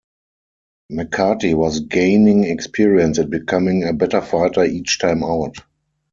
McCarty was gaining experience and becoming a better fighter each time out.